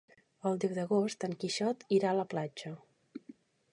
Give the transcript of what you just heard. El deu d'agost en Quixot irà a la platja.